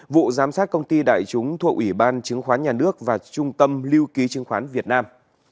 vụ giám sát công ty đại chúng thuộc ủy ban chứng khoán nhà nước và trung tâm lưu ký chứng khoán việt nam